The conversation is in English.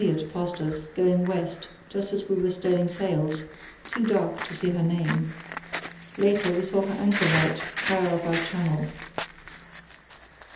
"A galliot passed us, going west, just as we were stowing sails; too dark to see her name. Later, we saw her anchor light higher up our channel.